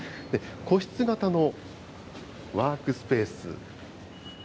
個室型のワークスペース。